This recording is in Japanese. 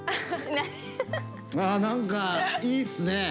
あ何かいいっすね！